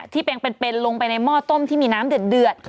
แปลงเป็นลงไปในหม้อต้มที่มีน้ำเดือด